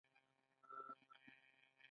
محرومیتونه ناخوالې پاتې وې